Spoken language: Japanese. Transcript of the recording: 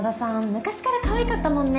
昔からかわいかったもんね